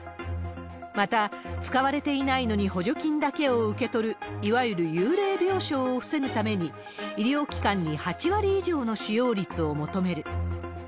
また、使われていないのに補助金だけを受け取る、いわゆる幽霊病床を防ぐために、医療機関に８割以上の使用率を求める。